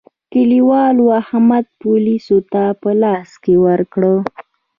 کلیوالو احمد پوليسو ته په لاس ورکړ.